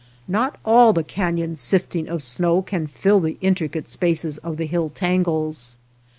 Not all the caiion's sifting of snow can fill the intri cate spaces of the hill tangles.